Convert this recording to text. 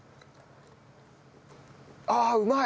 ああうまい。